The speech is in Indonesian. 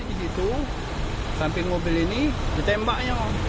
di situ samping mobil ini ditembaknya